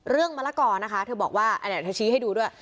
มะละกอนะคะเธอบอกว่าอันนี้เธอชี้ให้ดูด้วย